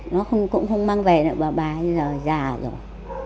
nó cũng không mang về nữa bà bà giờ già rồi